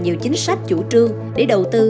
nhiều chính sách chủ trương để đầu tư